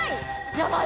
やばい！